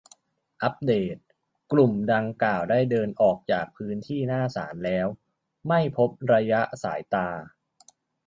อัปเดต : กลุ่มดังกล่าวได้เดินออกจากพื้นที่หน้าศาลแล้ว ไม่พบในระยะสายตา